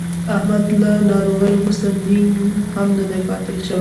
احمد له ناروغۍ ورسته نیم هم نه دی پاتې شوی.